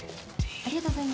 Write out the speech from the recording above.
ありがとうございます。